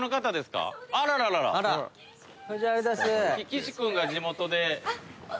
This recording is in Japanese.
岸君が地元で。